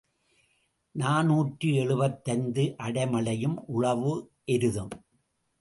நாநூற்று எழுபத்தைந்து அடை மழையும் உழவு எருதும்.